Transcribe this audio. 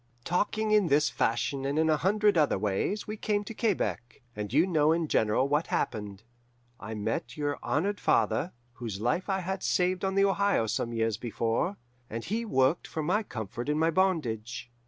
"Talking in this fashion and in a hundred other ways, we came to Quebec. And you know in general what happened. I met your honoured father, whose life I had saved on the Ohio some years before, and he worked for my comfort in my bondage.